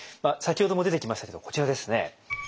先ほども出てきましたけどこちらですね。